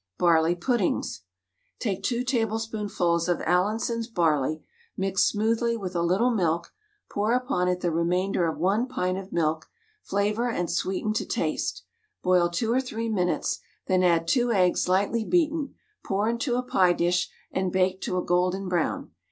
BARLEY PUDDINGS. Take 2 tablespoonfuls of Allinson's barley, mix smoothly with a little milk, pour upon it the remainder of 1 pint of milk, flavour and sweeten to taste, boil 2 or 3 minutes, then add 2 eggs lightly beaten, pour into a pie dish, and bake to a golden brown.